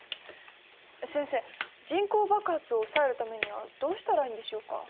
先生人口爆発を抑えるためにはどうしたらいいんでしょうか？